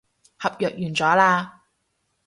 合約完咗喇